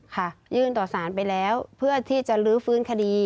ยื่นต่อสารไปแล้วเพื่อที่จะลื้อฟื้นคดี